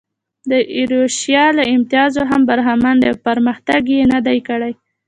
د ایروشیا له امتیازه هم برخمن دي او پرمختګ یې نه دی کړی.